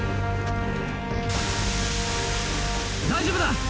大丈夫だ！